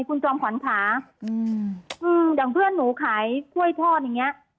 คุณจอมขวัญค่ะอืมอย่างเพื่อนหนูขายกล้วยทอดอย่างเงี้ย